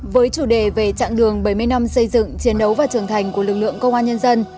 với chủ đề về chặng đường bảy mươi năm xây dựng chiến đấu và trưởng thành của lực lượng công an nhân dân